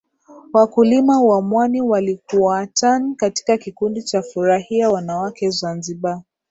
Wakulima wa mwani walikuatan katika kikundi cha Furahia Wanawake Zanzibar